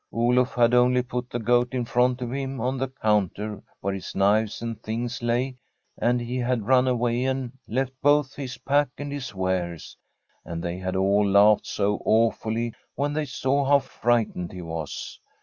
Oluf had only put the goat in front of him on the counter where his knives and things lay, and he had run away and left both his pack and his wares, and they had all laughed so awfully when they saw how frightened he was.